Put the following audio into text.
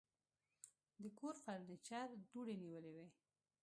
د کور فرنيچر دوړې نیولې وې.